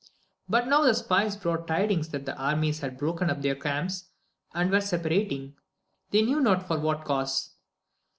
But now the spies brought tidings that the armies had broken up their camps, and were separating, they knew not for what cause.